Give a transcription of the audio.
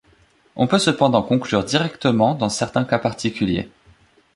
On peut cependant conclure directement dans certains cas particuliers.